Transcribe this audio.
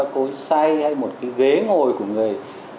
cối xay hay một cái ghế ngồi của người